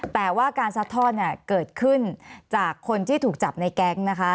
แต่ว่าการซัดทอดเนี่ยเกิดขึ้นจากคนที่ถูกจับในแก๊งนะคะ